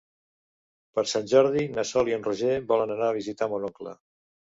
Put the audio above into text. Per Sant Jordi na Sol i en Roger volen anar a visitar mon oncle.